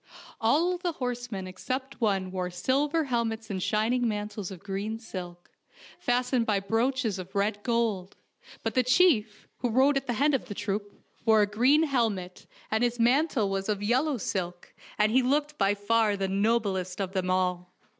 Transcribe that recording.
All the horse men except one wore silver helmets and shining mantles of green silk, fastened by brooches of red gold, but the chief, who rode at the head of the troop, wore a golden helmet, and his mantle was of yellow silk, and he looked by far the noblest of them all.